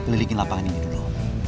lelikin lapangan ini dulu